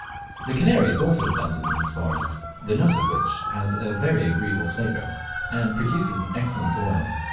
The Kanary is also abundant in this forest, the nut of which has a very agreeable flavour, and produces an excellent oil.